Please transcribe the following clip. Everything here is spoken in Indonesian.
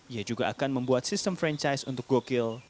ia juga akan membuat sistem franchise untuk gokil